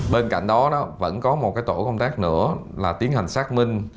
bên cạnh đó vẫn có một tổ công tác nữa là tiến hành xác minh